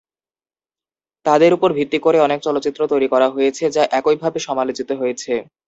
তাদের উপর ভিত্তি করে অনেক চলচ্চিত্র তৈরি করা হয়েছে যা একই ভাবে সমালোচিত হয়েছে।